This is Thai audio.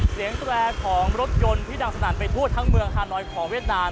แตรของรถยนต์ที่ดังสนั่นไปทั่วทั้งเมืองฮานอยของเวียดนาม